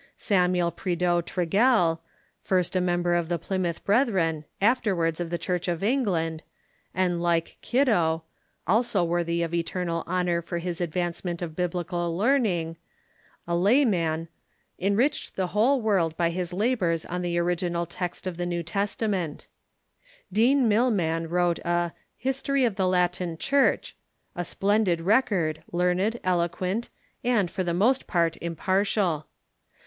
Samuel Prideaux Tregelles, first a member of the Plymouth Brethren, afterwards of the Church of England, and like Kitto — also worthy of eternal honor for his advancement of Biblical learning — a layman, en riched the whole world by his labors on the original text of the New Testament, Dean Milman wrote a " History of the Latin Church," a splendid record, learned, eloquent, and, for the most part, impartial.